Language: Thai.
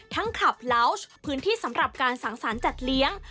ทั้งคลับลาวช์พื้นที่สำหรับการสั่งสารจัดเลี้ยง